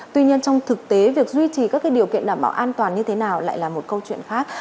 tuy nhiên trong thực tế việc duy trì các điều kiện đảm bảo an toàn như thế nào lại là một câu chuyện khác